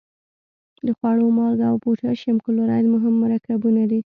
د خوړو مالګه او پوتاشیم کلورایډ مهم مرکبونه دي.